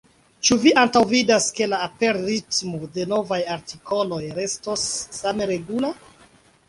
Ĉu vi antaŭvidas, ke la aperritmo de novaj artikoloj restos same regula?